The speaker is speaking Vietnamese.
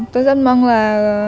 tôi rất mong là